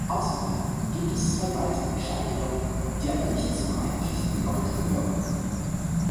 Außerdem gibt es zwei weitere kleine Glocken, die aber nicht zum eigentlichen Geläut gehören.